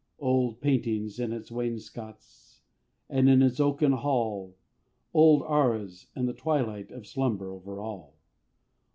Old paintings on its wainscots, And, in its oaken hall, Old arras; and the twilight Of slumber over all.